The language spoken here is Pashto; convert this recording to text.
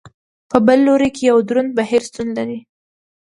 په بل لوري کې یو دروند بهیر شتون لري.